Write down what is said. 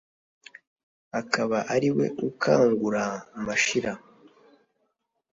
akaba ari we ukangura Mashira